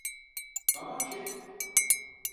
Tamam şef.